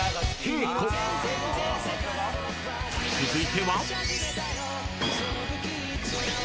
［続いては］